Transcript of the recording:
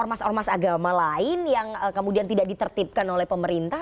ormas ormas agama lain yang kemudian tidak ditertipkan oleh pemerintah